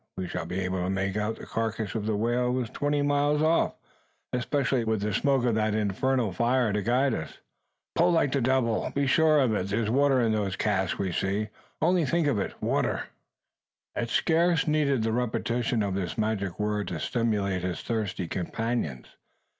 We shall be able to make out the carcass if the whale twenty miles off, especially with the smoke of that infernal fire to guide us. Pull like the devil! Be sure of it, there's water in one of those casks we see. Only think of it, water!" It scarce needed the repetition of this magic word to stimulate his thirsty companions.